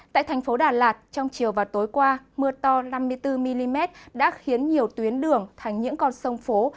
tại thành phố đà lạt trong chiều và tối qua mưa to năm mươi bốn mm đã khiến nhiều tuyến đường thành những con sông phố